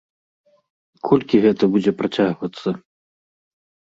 Колькі гэта будзе працягвацца?